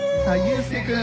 はい。